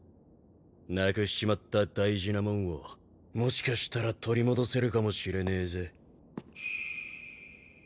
なくしちまった大事なもんをもしかしたら取り戻せるかもしれねえぜ。